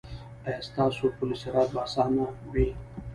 ایا ستاسو پل صراط به اسانه وي؟